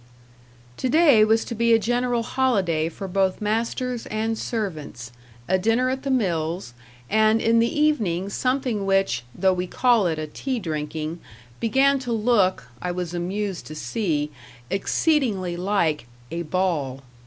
To day was to be a general holiday for both masters and servants; a dinner at the mills; and in the evening something which, though we call it a tea drinking, began to look, I was amused to see, exceedingly like "a ball."